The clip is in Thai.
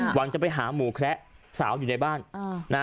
หวังจะไปหาหมูแคระสาวอยู่ในบ้าน